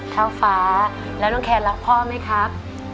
ฟ้าแล้วน้องแคนรักพ่อไหมครับ